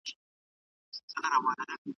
انارګل ته وویل شول چې شیرني وخوري.